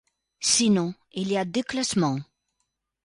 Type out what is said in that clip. Sinon, il y a déclassement.